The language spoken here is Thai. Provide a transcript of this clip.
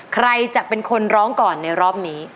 ใครจะเป็นคนร้องก่อนในรอบนี้